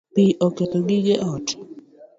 Pi oketho gige ot